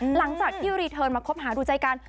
หลังจากที่รีเทิร์นมาคบหาดูใจกัน